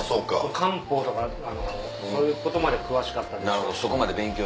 漢方とかそういうことまで詳しかったでしょうし。